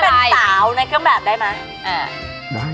เป็นสาวในเครื่องแบบได้ไหม